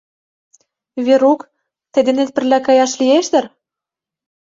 — Верук, тый денет пырля каяш лиеш дыр?